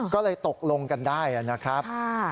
ก็เลยตกลงกันได้นะครับ